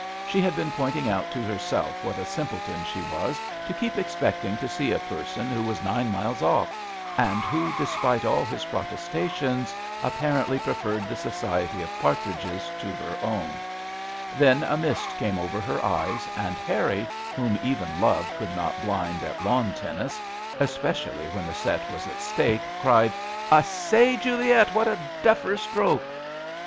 She had been pointing out to herself what a simpleton she was to keep expecting to see a person who was nine miles off, and who, despite all his pro testations, apparently preferred the society of partridges to her own ; then a mist came over her eyes, and Harry, whom even love could not blind at lawn tennis, especially when the set was at stake, cried, " I say, Juliet, what a duffer stroke